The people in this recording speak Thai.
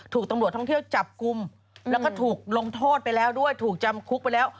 ถูกตำรวจท่องเที่ยวจับกลุ่มแล้วก็ถูกลงโทษไปแล้วด้วยถูกจำคุกไปแล้ว